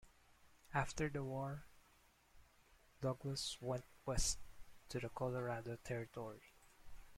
After the war Douglas went west to the Colorado Territory.